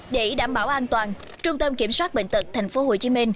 để đảm bảo an toàn trung tâm kiểm soát bệnh tật tp hcm